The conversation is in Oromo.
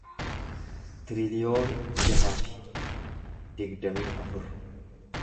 tiriliyoona jaha fi digdamii afur